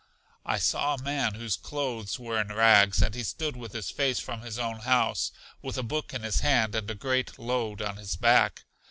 I saw a man whose clothes were in rags and he stood with his face from his own house, with a book in his hand, and a great load on his back.